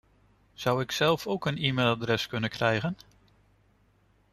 Zou ik zelf ook een e-mailadres kunnen krijgen?